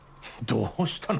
「どうしたの？」